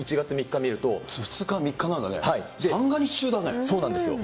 ２日、３日なんだね、そうなんですよ。